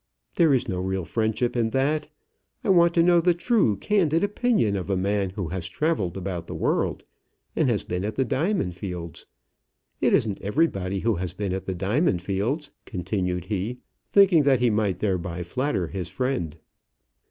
There is no real friendship in that. I want to know the true candid opinion of a man who has travelled about the world, and has been at the diamond fields. It isn't everybody who has been at the diamond fields," continued he, thinking that he might thereby flatter his friend.